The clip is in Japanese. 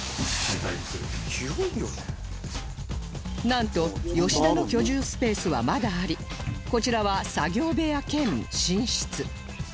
なんと吉田の居住スペースはまだありこちらは作業部屋兼寝室